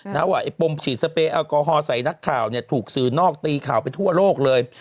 ว่าไอ้ปมฉีดสเปรแอลกอฮอลใส่นักข่าวเนี่ยถูกสื่อนอกตีข่าวไปทั่วโลกเลย